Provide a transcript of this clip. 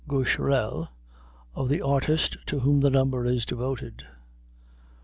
Gaucherel, of the artist to whom the number is devoted.